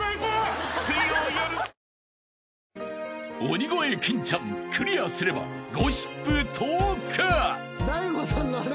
［鬼越金ちゃんクリアすればゴシップ投下］